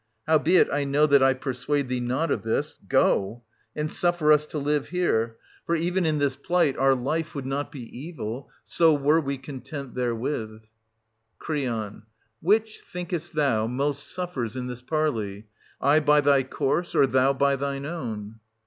Howbeit, I know that I persuade thee not of this, — go !— and suffer us to live here ; for even in this 90 SOPHOCLES. [799—819 plight our life would not be evil, so were we content therewith. 800 Cr. Which, thinkest thou, most suffers in this parley, — I by thy course, or thou by thine own